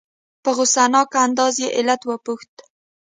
په غصناک انداز یې علت وپوښته.